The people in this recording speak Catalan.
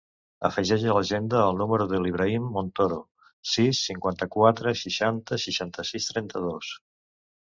Afegeix a l'agenda el número de l'Ibrahim Montoro: sis, cinquanta-quatre, seixanta, seixanta-sis, trenta-dos.